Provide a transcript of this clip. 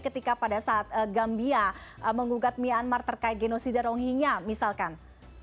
ketika pada saat gambia mengugat myanmar terkait genosida rohingya misalkan